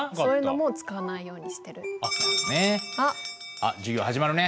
あっ授業始まるね。